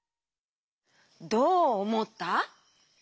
どうおもった？